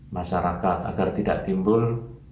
masyarakat agar tidak timbul